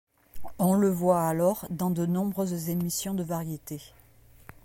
On le voit alors dans de nombreuses émissions de variétés.